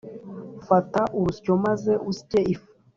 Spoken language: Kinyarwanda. fata urusyo maze usye ifu,